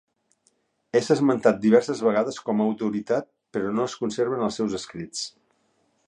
És esmentat diverses vegades com autoritat però no es conserven els seus escrits.